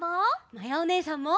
まやおねえさんも！